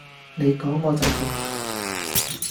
你講我就信呀